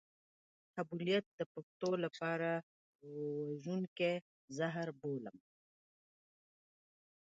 قبيلويت د پښتنو لپاره وژونکی زهر بولم.